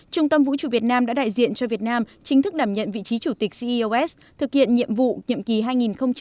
trung tâm vũ trụ việt nam đã đại diện cho việt nam chính thức đảm nhận vị trí chủ tịch ceos thực hiện nhiệm vụ nhiệm kỳ hai nghìn một mươi chín hai nghìn hai mươi